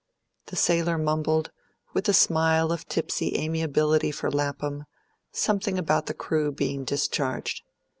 The sailor mumbled, with a smile of tipsy amiability for Lapham, something about the crew being discharged.